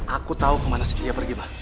aku tahu kemana sylvia pergi ma